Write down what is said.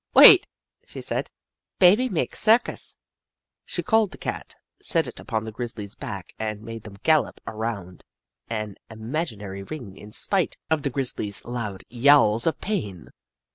" Wait," she said, " baby make circus." She called the Cat, set it upon the grizzly's back, and made them gallop around an im aginary ring in spite of the grizzly's loud yowls of pain.